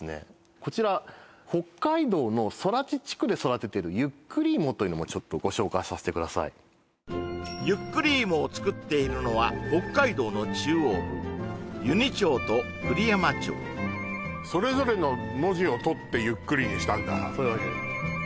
こちら北海道の空知地区で育ててる由栗いもというのもちょっとご紹介させてください由栗いもを作っているのは北海道の中央部それぞれの文字を取って「由栗」にしたんだそういうわけです